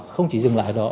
không chỉ dừng lại đó